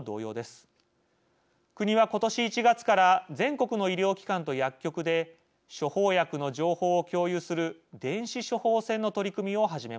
国は今年１月から全国の医療機関と薬局で処方薬の情報を共有する電子処方箋の取り組みを始めました。